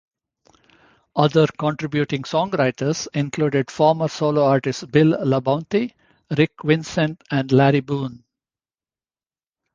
Other contributing songwriters included former solo artists Bill LaBounty, Rick Vincent, and Larry Boone.